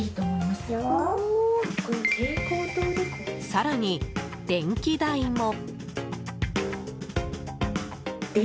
更に、電気代も。